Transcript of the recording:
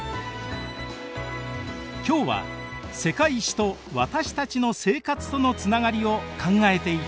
今日は「世界史」と私たちの生活とのつながりを考えていきます。